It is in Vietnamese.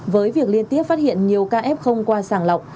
với việc liên tiếp phát hiện nhiều ca f không qua sàng lọc